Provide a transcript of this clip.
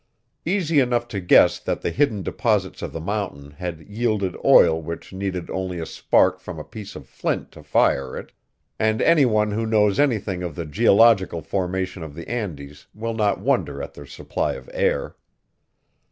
Easy enough to guess that the hidden deposits of the mountain had yielded oil which needed only a spark from a piece of flint to fire it; and any one who knows anything of the geological formation of the Andes will not wonder at their supply of air.